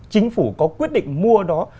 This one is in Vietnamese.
chính phủ có quyết định mua đó